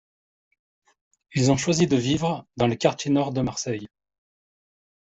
Ils ont choisi de vivre dans les quartiers nord de Marseille.